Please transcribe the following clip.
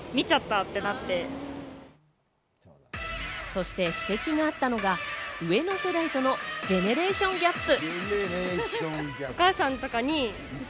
そして指摘があったのが上の世代とのジェネレーションギャップ。